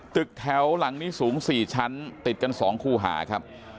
ตึกแถวหลังนี้สูง๔ชั้นติดกัน๒คู่หาครับ